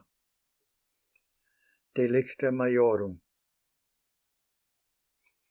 DELICTA MAJORUM.